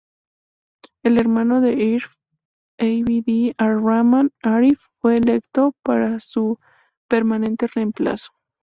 El hermano de Arif, Abd ar-Rahman Arif, fue electo para su permanente reemplazo.